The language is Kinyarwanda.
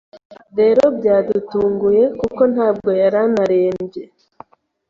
rero byadutunguye kuko ntabwo yari anarembye